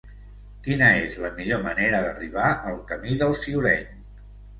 Quina és la millor manera d'arribar al camí del Ciureny?